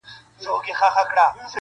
راسئ له زړونو به اول توري تیارې و باسو,